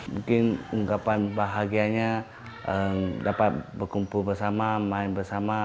mungkin ungkapan bahagianya dapat berkumpul bersama main bersama